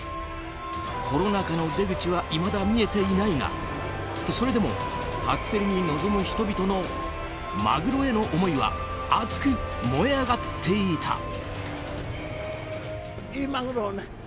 コロナ禍の出口はいまだ見えていないがそれでも、初競りに臨む人々のマグロへの思いは熱く燃え上がっていた。